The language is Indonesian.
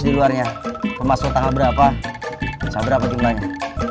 di luarnya masuk tahap berapa berapa jumlahnya